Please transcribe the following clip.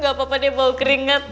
gak apa apa deh bau keringat